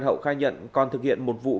hậu khai nhận còn thực hiện một vụ